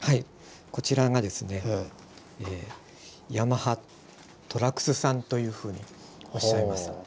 こちらがですね山葉寅楠さんというふうにおっしゃいます。